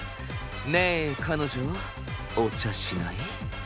ねえ彼女お茶しない？